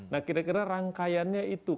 nah kira kira rangkaiannya itu